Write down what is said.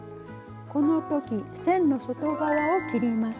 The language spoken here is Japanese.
この時線の外側を切ります。